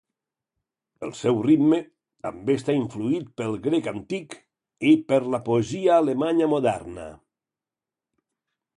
El seu ritme també està influït pel grec antic i per la poesia alemanya moderna.